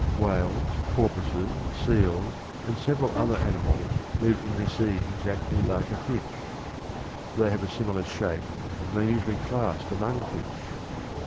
Whales, porpoises, seals, and several other animals live in the sea exactly like a fish; they have a similar shape and are usually classed among fish.